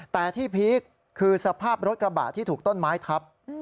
แต่ที่พีคคือสภาพรถกระบะที่ถูกต้นไม้ทับ